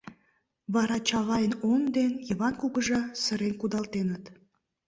Вара Чавай он ден Йыван кугыжа сырен кудалтеныт.